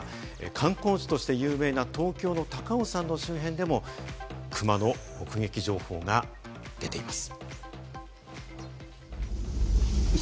観光地として有名な東京の高尾山の周辺でもクマの目撃情報が出ています。